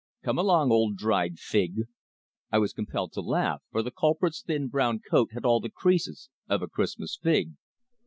Come along, old dried fig!" I was compelled to laugh, for the culprit's thin, brown coat had all the creases of a Christmas fig.